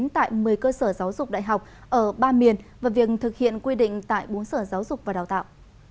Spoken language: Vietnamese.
tại một mươi cơ sở giáo dục đại học ở ba miền và việc thực hiện quy định tại bốn sở giáo dục và đào tạo